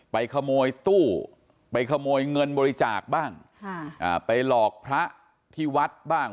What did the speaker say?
ไปขโมยตู้ไปขโมยเงินบริจาคบ้างค่ะอ่าไปหลอกพระที่วัดบ้าง